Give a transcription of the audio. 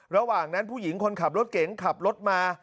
ระหว่างนั้นผู้หญิงคนขับรถเก๋งขับรถมา